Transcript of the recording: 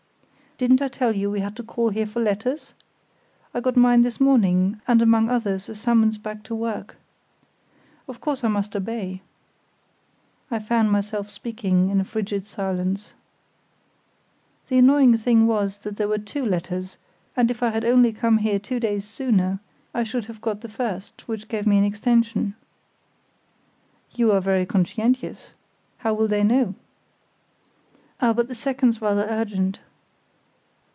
"Didn't I tell you we had to call here for letters? I got mine this morning, and among others a summons back to work. Of course I must obey." (I found myself speaking in a frigid silence.) "The annoying thing was that there were two letters, and if I had only come here two days sooner I should have only got the first, which gave me an extension." "You are very conscientious. How will they know?" "Ah, but the second's rather urgent."